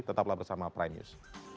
tetaplah bersama prime news